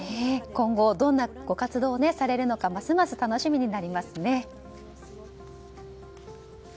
今後、どんなご活動をされるのか、ますます楽しみになりますね。